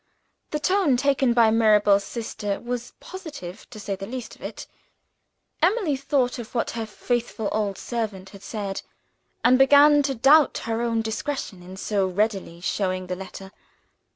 The tone taken by Mirabel's sister was positive, to say the least of it. Emily thought of what her faithful old servant had said, and began to doubt her own discretion in so readily showing the letter.